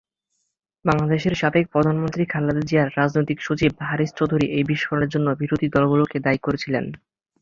বাংলাদেশের সাবেক প্রধানমন্ত্রী খালেদা জিয়ার রাজনৈতিক সচিব হারিস চৌধুরী এই বিস্ফোরণের জন্য বিরোধী দলগুলোকে দায়ী করেছিলেন।